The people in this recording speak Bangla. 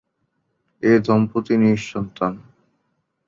এ দম্পতি নিঃসন্তান।